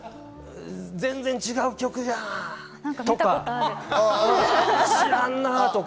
全然違う曲やんとか知らんなとか。